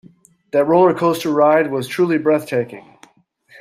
That roller coaster ride was truly breathtaking.